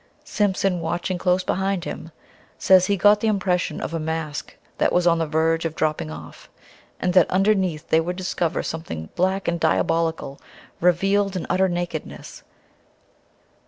Simpson, watching close behind him, says he got the impression of a mask that was on the verge of dropping off, and that underneath they would discover something black and diabolical, revealed in utter nakedness.